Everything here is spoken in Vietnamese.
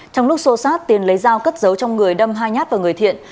trong lúc xô sát tiến lấy dao cất giấu trong người đâm hai nhát vào người thiện